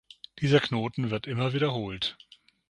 Dieser Knoten wird immer wiederholt.